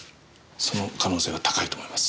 その可能性は高いと思います。